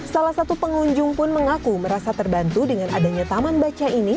salah satu pengunjung pun mengaku merasa terbantu dengan adanya taman baca ini